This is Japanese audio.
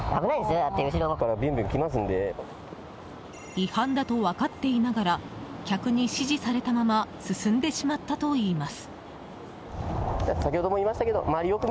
違反だと分かっていながら客に指示されたまま進んでしまったといいます。